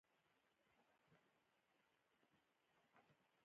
دا کار د کورنۍ کرنسۍ د تبادلې نرخ بې ثباته کوي.